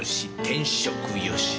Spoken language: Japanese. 転職良し」